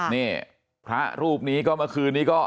นี่พระรูปนี้ก็เมื่อคืนนี้ก็